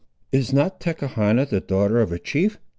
"Is not Tachechana the daughter of a chief?"